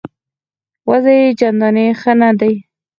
وضع یې چنداني ښه نه ده.